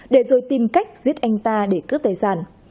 để rồi tìm cách giết anh ta để cướp tài sản